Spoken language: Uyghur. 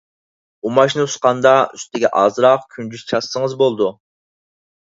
ئۇماچنى ئۇسقاندا، ئۈستىگە ئازراق كۈنجۈت چاچسىڭىز بولىدۇ.